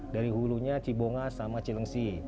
dari hulunya cibonga sama cilengsi